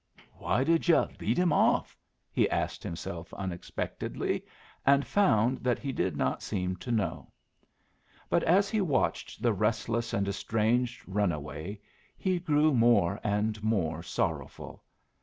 "Why did yu' lead him off?" he asked himself unexpectedly, and found that he did not seem to know; but as he watched the restless and estranged runaway he grew more and more sorrowful.